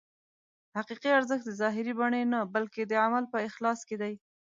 حقیقي ارزښت د ظاهري بڼې نه بلکې د عمل په اخلاص کې دی.